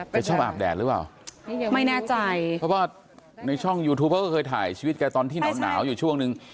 ชอบอาบแดดหรือเปล่าไม่แน่ใจเพราะว่าในช่องยูทูปเขาก็เคยถ่ายชีวิตแกตอนที่หนาวหนาวอยู่ช่วงนึง